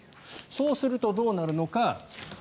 そうすると、どうなるのか。